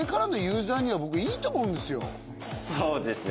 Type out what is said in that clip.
そうですね。